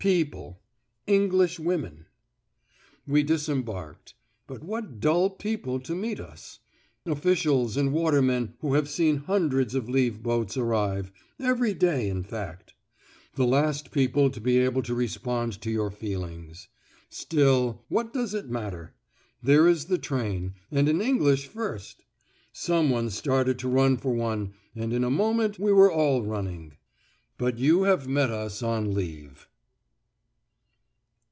People. English women. We disembarked. But what dull people to meet us! Officials and watermen who have seen hundreds of leave boats arrive every day in fact! The last people to be able to respond to your feelings. Still, what does it matter? There is the train, and an English First! Some one started to run for one, and in a moment we were all running!... But you have met us on leave.